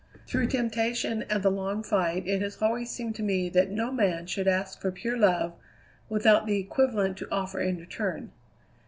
Through temptation and the long fight it has always seemed to me that no man should ask for pure love without the equivalent to offer in return.